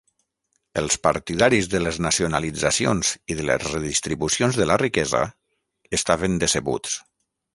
Els partidaris de les nacionalitzacions i de les redistribucions de la riquesa estaven decebuts.